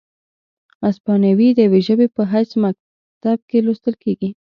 هسپانیوي د یوې ژبې په حیث مکتب کې لوستل کیږي،